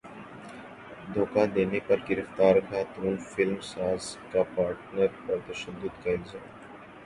دھوکا دینے پر گرفتار خاتون فلم ساز کا پارٹنر پر تشدد کا الزام